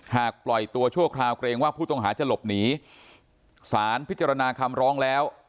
ปล่อยตัวชั่วคราวเกรงว่าผู้ต้องหาจะหลบหนีสารพิจารณาคำร้องแล้ว